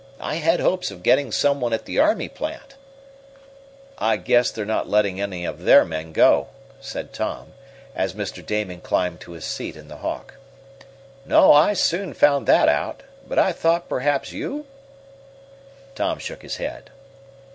I had hopes of getting some one at the army plant." "I guess they're not letting any of their men go," said Tom, as Mr. Damon climbed to his seat in the Hawk. "No, I soon found that out. But I thought perhaps you " Tom shook his head.